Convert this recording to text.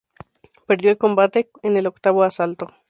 Perdió el combate en el octavo asalto.